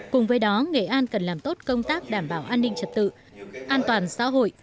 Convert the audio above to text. cùng với đó nghệ an cần làm tốt công tác đảm bảo an ninh trật tự an toàn xã hội